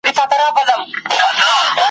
پر کور د انارګل به د زاغانو غوغا نه وي ,